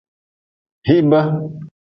Yihbe.